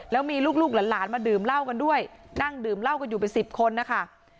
แล้วมีลูกหลานมาดื่มเหล้ากันด้วยนั่งดื่มเหล้ากันอยู่เป็นสิบคนนะคะ